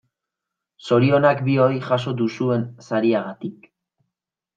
Zorionak bioi jaso duzuen sariagatik.